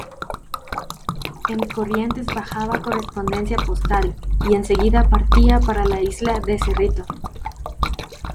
En Corrientes bajaba correspondencia postal y en seguida partía para la Isla de Cerrito.